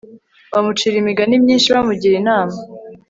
bamucira imigani myinshi bamugira inama